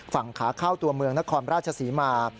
ฝั่งขาเข้าตัวเมืองนครราชศรีมา